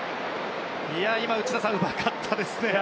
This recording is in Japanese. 今のは内田さん、うまかったですね。